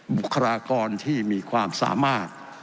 บุคลากรที่มีความสามารถ